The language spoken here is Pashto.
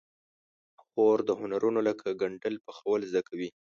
خور د هنرونو لکه ګنډل، پخول زده کوي.